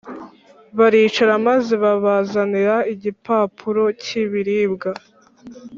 baricara maze babazanira igipapuro cy'ibiribwa